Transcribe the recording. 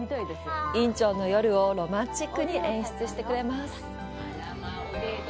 仁川の夜をロマンチックに演出してくれます。